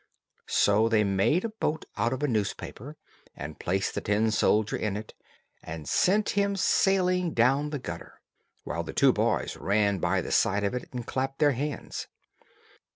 So they made a boat out of a newspaper, and placed the tin soldier in it, and sent him sailing down the gutter, while the two boys ran by the side of it, and clapped their hands.